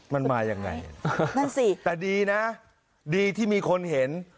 มันมายังไงนั่นสิแต่ดีนะดีที่มีคนเห็น